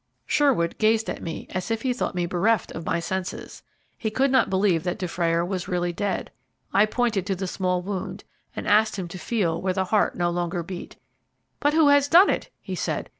Sherwood gazed at me, as if he thought me bereft of my senses. He could not believe that Dufrayer was really dead. I pointed to the small wound, and asked him to feel where the heart no longer beat. "But who has done it?" he said.